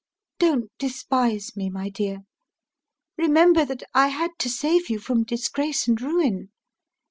Don't despise me, my dear! Remember that I had to save you from disgrace and ruin.